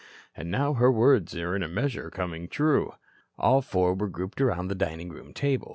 And now her words in a measure are coming true." All four were grouped around the dining room table.